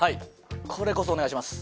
これこそお願いします。